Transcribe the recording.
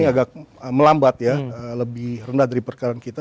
agak melambat ya lebih rendah dari perkara kita